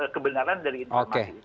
kebenaran dari informasi